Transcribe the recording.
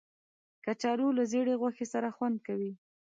کچالو له زېړې غوښې سره خوند کوي